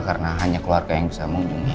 karena hanya keluarga yang bisa menghubungi